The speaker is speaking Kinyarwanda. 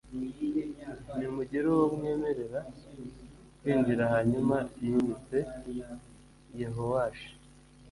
ntimugire uwo mwemerera kwinjira Hanyuma yimitse Yehowashi